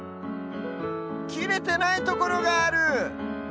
きれてないところがある！